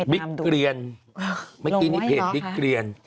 บิ๊กเกรียนเมื่อกี้มีเพจบิ๊กเกรียน